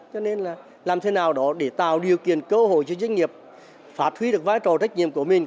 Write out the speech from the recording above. cho nên là làm thế nào đó để tạo điều kiện cơ hội cho doanh nghiệp phát huy được vai trò trách nhiệm của mình